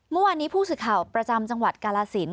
เมื่อวานนี้ผู้สื่อข่าวประจำจังหวัดกาลสิน